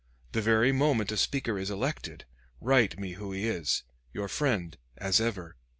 The very moment a speaker is elected, write me who he is. Your friend, as ever."